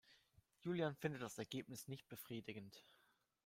Julian findet das Ergebnis nicht befriedigend.